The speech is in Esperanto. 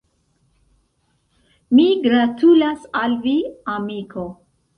Mi gratulas al vi, amiko